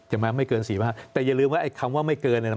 ไม่เกิน๔๕แต่อย่าลืมว่าไอ้คำว่าไม่เกินเนี่ยนะ